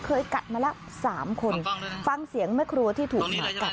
กัดมาแล้วสามคนฟังเสียงแม่ครัวที่ถูกหมากัด